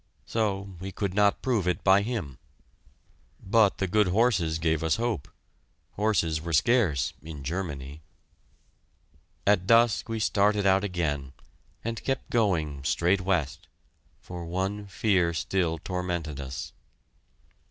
So we could not prove it by him! But the good horses gave us hope horses were scarce in Germany! At dusk we started out again, and kept going straight west, for one fear still tormented us.